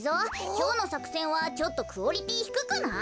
きょうのさくせんはちょっとクオリティーひくくない？